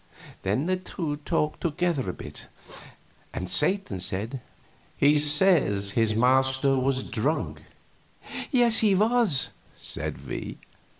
Then the two talked together a bit, and Satan said: "He says his master was drunk." "Yes, he was," said we.